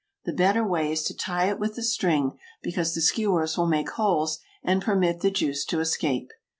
The better way is to tie it with a string, because the skewers will make holes and permit the juice to escape.